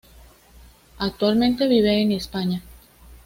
Actualmente vive en España.